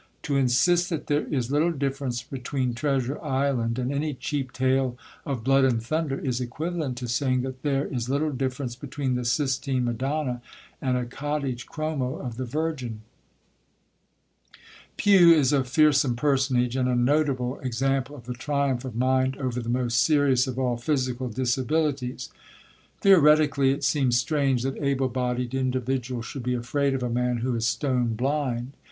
To insist that there is little difference between Treasure Island and any cheap tale of blood and thunder, is equivalent to saying that there is little difference between the Sistine Madonna and a cottage chromo of the Virgin. Pew is a fearsome personage, and a notable example of the triumph of mind over the most serious of all physical disabilities. Theoretically, it seems strange that able bodied individuals should be afraid of a man who is stone blind.